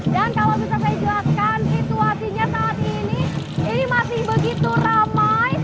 dan kalau bisa saya jelaskan situasinya saat ini ini masih begitu ramai